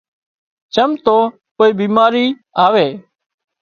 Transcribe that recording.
چم تو ڪوئي ٻيماري آوي